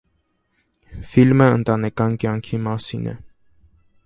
Ֆիլմը ընտանեկան կյանքի մասին է։